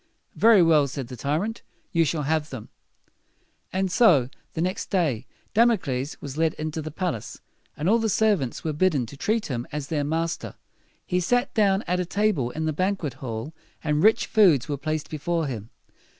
"Very well," said the tyrant. "You shall have them." And so, the next day, Damocles was led into the palace, and all the servants were bidden to treat him as their master. He sat down at a table in the banquet hall, and rich foods were placed before him.